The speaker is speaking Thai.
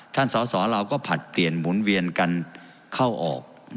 สอสอเราก็ผลัดเปลี่ยนหมุนเวียนกันเข้าออก